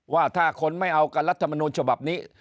ว่าถ้าคนไม่เอากับรัฐมนูลฉบับนี้